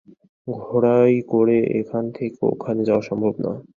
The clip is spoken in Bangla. ঘোড়ায় করে এখান থেকে ওখানে যাওয়া সম্ভব না।